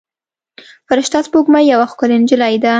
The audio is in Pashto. فرشته سپوږمۍ یوه ښکلې نجلۍ ده.